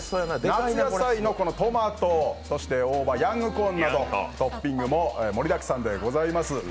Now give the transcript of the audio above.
夏野菜のトマト、そして大葉、ヤングコーンなどトッピングも盛りだくさんでございます。